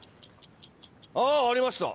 あありました。